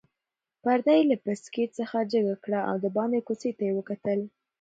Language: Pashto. پرده یې له پیڅکې څخه جګه کړه او د باندې کوڅې ته یې وکتل.